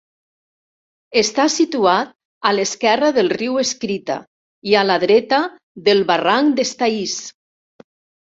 Està situat a l'esquerra del Riu Escrita i a la dreta del Barranc d'Estaís.